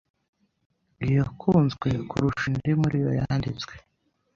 yakunzwe kurusha indi muri iyo Yanditswe